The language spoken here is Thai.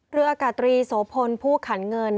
เรืออากาศตรีโสพลผู้ขันเงิน